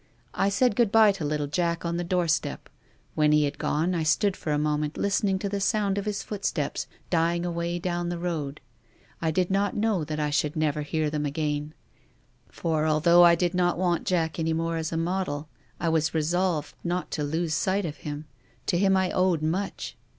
I said good bye to little Jack on the doorstep. When he had gone, I stood for a moment listening to the sound of his footsteps dying away down the road. I did not know that I should never hear THE RAINBOW. 39 them again. For, although I did not want Jack any more as a model, I was resolved not to lose sight of him. To him I owed much.